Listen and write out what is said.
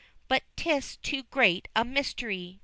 But, 'tis too great a mystery.